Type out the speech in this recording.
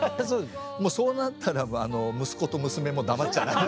もうそうなったらば息子と娘も黙っちゃいない。